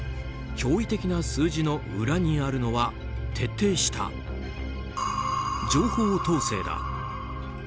驚異的な数字の裏にあるのは徹底した情報統制だ。